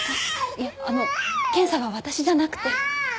いえあの検査は私じゃなくて。